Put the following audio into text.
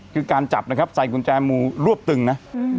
คือการจับนะครับใส่กุญแจมือรวบตึงนะ